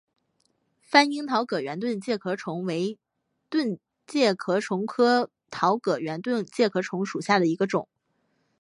番樱桃葛圆盾介壳虫为盾介壳虫科桃葛圆盾介壳虫属下的一个种。